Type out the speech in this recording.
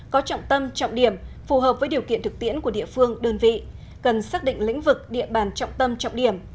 có trọng tâm trọng điểm phù hợp với điều kiện thực tiễn của địa phương đơn vị cần xác định lĩnh vực địa bàn trọng tâm trọng điểm